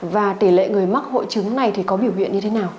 và tỷ lệ người mắc hội chứng này thì có biểu hiện như thế nào